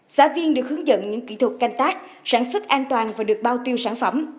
xã viên được hướng dẫn những kỹ thuật canh tác sản xuất an toàn và được bao tiêu sản phẩm